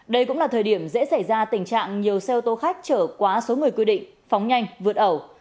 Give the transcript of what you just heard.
đây cũng là thời điểm dễ xảy ra tình trạng nhiều xe ô tô khách trở quá số người quy định phóng nhanh vượt ẩu